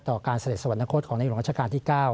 ต่อการเสด็จสวรรค์ของนายองค์ราชกาลที่๙